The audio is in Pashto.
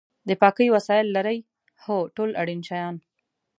د پاکۍ وسایل لرئ؟ هو، ټول اړین شیان